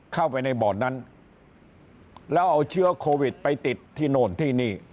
เข้าไปในบ่อนนั้นแล้วเอาเชื้อโควิดไปติดที่โน่นที่นี่